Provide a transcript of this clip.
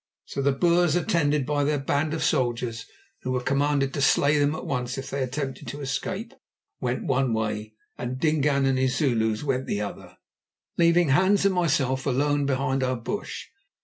So the Boers, attended by their band of soldiers, who were commanded to slay them at once if they attempted to escape, went one way, and Dingaan and his Zulus went the other, leaving Hans and myself alone behind our bush.